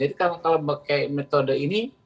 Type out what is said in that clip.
jadi kalau pakai metode ini